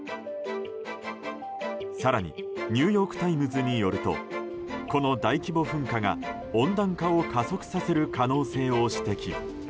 更にニューヨーク・タイムズによるとこの大規模噴火が、温暖化を加速させる可能性を指摘。